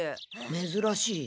めずらしい。